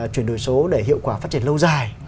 chuyển đổi số để hiệu quả phát triển lâu dài